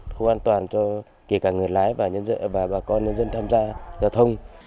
không an toàn cho kể cả người lái và bà con nhân dân tham gia giao thông